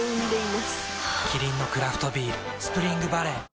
キリンのクラフトビール「スプリングバレー」